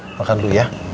makan dulu ya